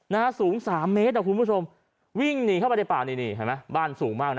นะฮะสูง๓เมตรครับคุณผู้ชมวิ่งหนีเข้าไปในป่านี่บ้านสูงมากนะ